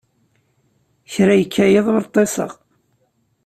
Kra ikka yiḍ ur ṭṭiseɣ.